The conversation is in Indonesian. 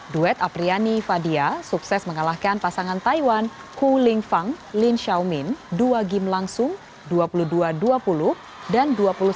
duet apriani fadia sukses mengalahkan pasangan taiwan ku ling fang lin xiaomin dua game langsung dua puluh dua dua puluh dan dua puluh satu sembilan belas